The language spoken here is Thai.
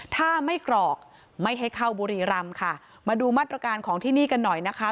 ถ้าไม่กรอกไม่ให้เข้าบุรีรำค่ะมาดูมาตรการของที่นี่กันหน่อยนะคะ